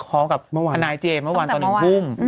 พร้อมกับอันนายเจมส์เมื่อวานตอน๑ฮุ่ม